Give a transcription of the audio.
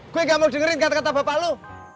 gue gak mau dengerin kata kata bapak lo